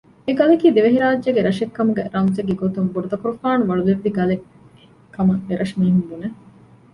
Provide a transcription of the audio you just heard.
އެގަލަކީ ދިވެހިރާއްޖޭގެ ރަށެއްކަމުގެ ރަމްޒެއްގެ ގޮތުން ބޮޑުތަކުރުފާނު ވަޅުލެއްވި ގަލެއް ކަމަށް އެރަށު މީހުން ބުނެ